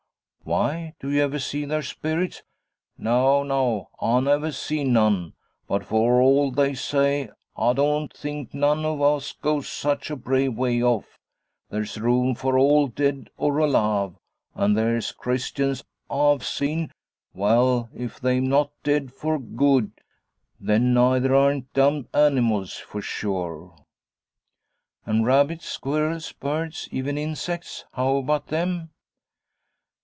'Why? Do you ever see their spirits?' 'Naw, naw; I never zeen none; but, for all they zay, ah don't think none of us goes such a brave way off. There's room for all, dead or alive. An' there's Christians ah've zeen well, ef they'm not dead for gude, then neither aren't dumb animals, for sure.' 'And rabbits, squirrels, birds, even insects? How about them?'